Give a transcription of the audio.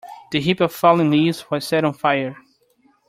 The heap of fallen leaves was set on fire.